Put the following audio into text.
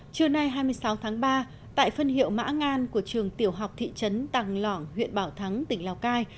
trưa nay hai mươi sáu tháng ba tại phân hiệu mãn của trường tiểu học thị trấn tàng lỏng huyện bảo thắng tỉnh lào cai